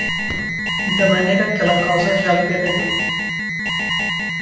De manera que la cosa ja li ve de lluny.